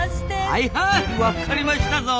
はいはいわっかりましたぞ。